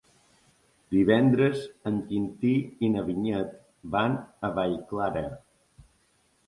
Divendres en Quintí i na Vinyet van a Vallclara.